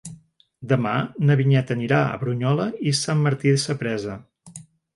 Demà na Vinyet anirà a Brunyola i Sant Martí Sapresa.